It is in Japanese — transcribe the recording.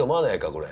これ。